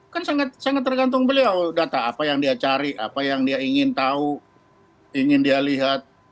kan sangat tergantung beliau data apa yang dia cari apa yang dia ingin tahu ingin dia lihat